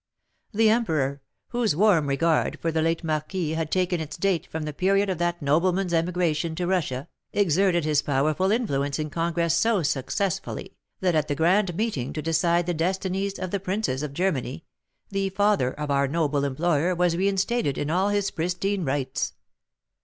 The emperor, whose warm regard for the late marquis had taken its date from the period of that nobleman's emigration to Russia, exerted his powerful influence in congress so successfully, that at the grand meeting to decide the destinies of the princes of Germany, the father of our noble employer was reinstated in all his pristine rights.